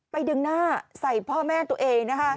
ไปดึงหน้าใส่พ่อแม่ตัวเอง